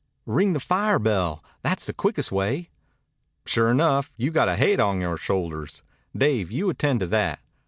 "Ring the fire bell. That's the quickest way." "Sure enough. You got a haid on yore shoulders. Dave, you attend to that.